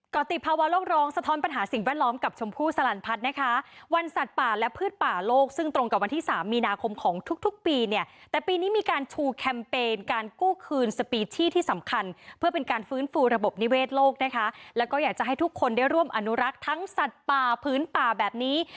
ก็ติดภาวะโลกร้องสะท้อนปัญหาสิ่งแวดล้อมกับชมพู่สลันพัฒน์นะคะวันสัตว์ป่าและพืชป่าโลกซึ่งตรงกับวันที่สามมีนาคมของทุกทุกปีเนี่ยแต่ปีนี้มีการชูแคมเปญการกู้คืนสปีชี่ที่สำคัญเพื่อเป็นการฟื้นฟูระบบนิเวศโลกนะคะแล้วก็อยากจะให้ทุกคนได้ร่วมอนุรักษ์ทั้งสัตว์ป่าพื้นป่าแบบนี้